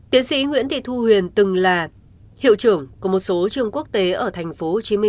tiến sĩ nguyễn thị thu huyền từng là hiệu trưởng của một số trường quốc tế ở tp hcm